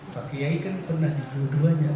pak kiai kan pernah di juduannya